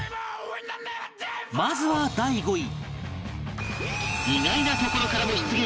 まずは第５位